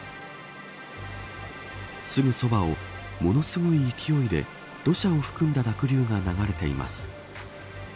すぐそばをものすごい勢いで土砂を含んだ濁流が流れています。